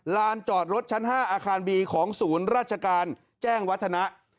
ลานจอดรถชั้น๕อาคารบีของศูนย์ราชการแจ้งวัฒนะ